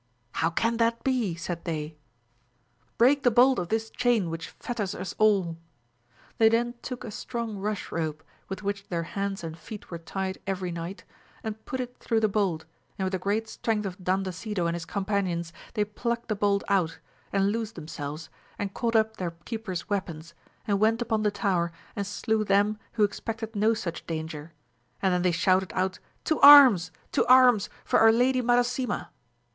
How can that be 1 said they. — 160 AMADIS OF GAUL. Break the bolt of this chain which fetters us all. They then took a strong rush rope, with which their hands and feet were tied every night, and put it through the bolt, and with the great strength of Danda sido and his companions they plucked the bolt out, and loosed themselves, and caught up their keepers' weapons, and went upon the tower and slew them who expected no such danger, and then they shouted out To arms — to arms — ^for our lady Madasima